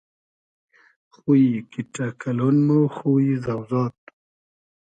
خویی کیݖݖۂ کئلۉن مۉ خویی زۆزاد